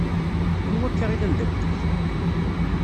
Anwa akka i d ameddakel-ik?